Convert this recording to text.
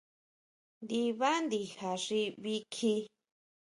Ndibá nditja xi nbí kji.